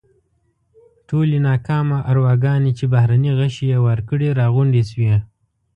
ټولې ناکامه ارواګانې چې بهرني غشي یې وار کړي راغونډې شوې.